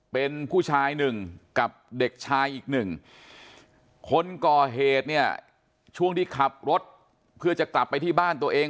เป็นผู้ชายหนึ่งกับเด็กชายอีกหนึ่งคนก่อเหตุเนี่ยช่วงที่ขับรถเพื่อจะกลับไปที่บ้านตัวเอง